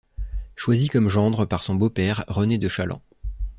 Choisi comme gendre par son beau-père René de Challant.